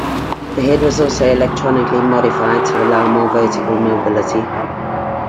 The head was also electronically modified to allow more vertical mobility.